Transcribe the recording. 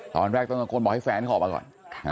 ตอนแรกต้องกลบอกให้แฟนเขาออกมาก่อน